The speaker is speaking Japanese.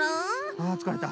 あつかれた。